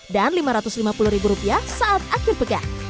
dan lima ratus lima puluh rupiah saat akhir pekan